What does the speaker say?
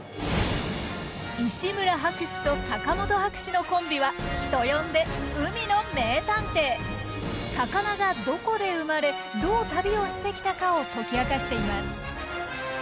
石村博士と坂本博士のコンビは人呼んで魚がどこで生まれどう旅をしてきたかを解き明かしています。